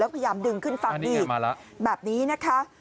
แล้วก็พยายามดึงขึ้นฟังดีแบบนี้นะคะ